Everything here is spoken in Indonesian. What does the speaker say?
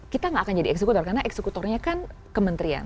kita gak akan jadi eksekutor karena eksekutornya kan kementerian